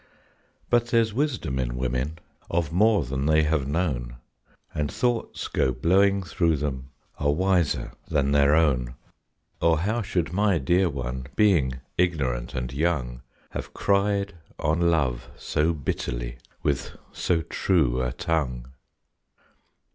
But there's wisdom in women, of more than they have known, And thoughts go blowing through them, are wiser than their own, Or how should my dear one, being ignorant and young, Have cried on love so bitterly, with so true a tongue?